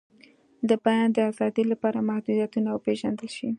د بیان د آزادۍ لپاره محدودیتونه وپیژندل شي.